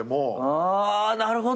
あなるほど。